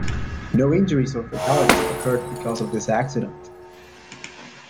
No injuries or fatalities occurred because of this accident.